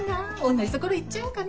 同じ所行っちゃおうかな。